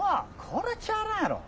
これちゃうやろ。